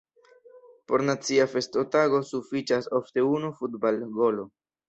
Por nacia festotago sufiĉas ofte unu futbalgolo.